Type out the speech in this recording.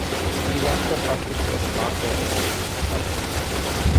იგი დარჩა პრაქტიკულად მარტო ორ შვილთან ერთად.